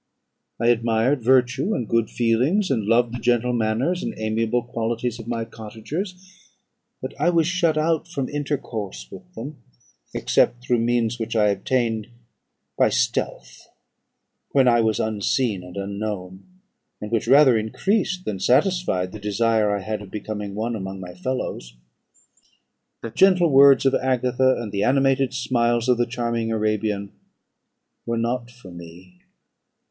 I admired virtue and good feelings, and loved the gentle manners and amiable qualities of my cottagers; but I was shut out from intercourse with them, except through means which I obtained by stealth, when I was unseen and unknown, and which rather increased than satisfied the desire I had of becoming one among my fellows. The gentle words of Agatha, and the animated smiles of the charming Arabian, were not for me.